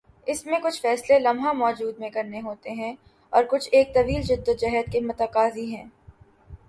اس میں کچھ فیصلے لمحہ موجود میں کرنا ہوتے ہیں اور کچھ ایک طویل جدوجہد کے متقاضی ہیں۔